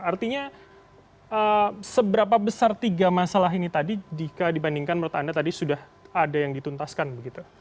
artinya seberapa besar tiga masalah ini tadi jika dibandingkan menurut anda tadi sudah ada yang dituntaskan begitu